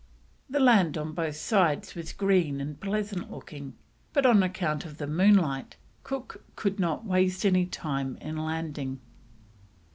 The land on both sides was green and pleasant looking, but on account of the moonlight Cook could not waste any time in landing.